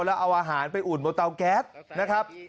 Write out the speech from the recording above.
แล้วเอาอาหารไปอุ่นบนเตาแก๊สนะครับ